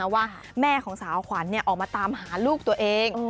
ว่าแม่ของสาวขวัญออกมาตามหาลูกตัวเอง